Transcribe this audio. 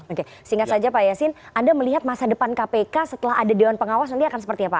oke singkat saja pak yasin anda melihat masa depan kpk setelah ada dewan pengawas nanti akan seperti apa